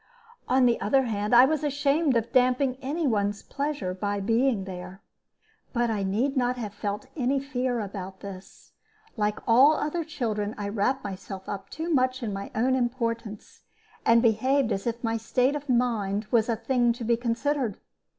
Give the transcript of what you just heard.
On the other hand, I was ashamed of damping any one's pleasure by being there. But I need not have felt any fear about this. Like all other children, I wrapped myself up too much in my own importance, and behaved as if my state of mind was a thing to be considered.